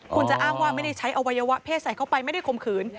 คุณจะอ้างว่าไม่ได้ใช้อวัยวะเพศใส่เข้าไปไม่ได้ข่มขืน